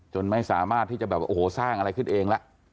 ไม่สามารถที่จะแบบโอ้โหสร้างอะไรขึ้นเองละ